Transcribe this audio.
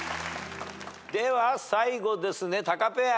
では最後ですねタカペア。